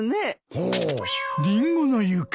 ほうリンゴの湯か。